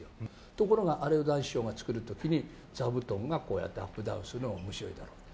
ところがあれを談志師匠が作るときに、座布団がこうやってアップダウンするのがおもしろいだろうと。